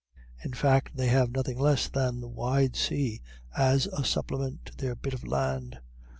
In fact, they have nothing less than the wide sea as a supplement to their bit of land.